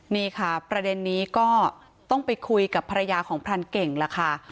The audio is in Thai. นี่ค่ะประเด็นนี้ก็ต้องไปคุยกับภรรยาของพรานเก่งล่ะค่ะ